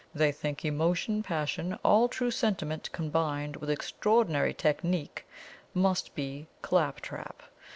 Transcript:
"They think emotion, passion, all true sentiment combined with extraordinary TECHNIQUE, must be 'clap trap.'